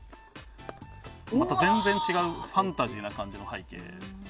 また全然違うファンタジーな感じの背景。